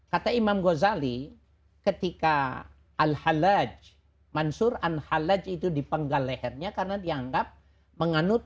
kata imam ghazali ketika al halaj mansur an halaj itu dipenggal lehernya karena dianggap menganut